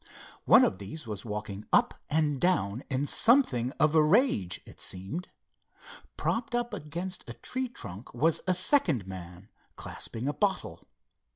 One of these was walking up and down in something of a rage, it seemed. Propped up against a tree trunk was a second man, clasping a bottle.